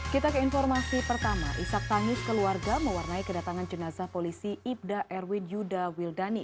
kita ke informasi pertama isak tangis keluarga mewarnai kedatangan jenazah polisi ibda erwin yuda wildani